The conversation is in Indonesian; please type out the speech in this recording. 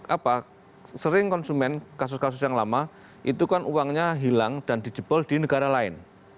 apa sering konsumen kasus kasus yang lama itu kan uangnya hilang dan dijebol di negara lain